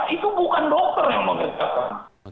itu bukan dokter yang memerintahkan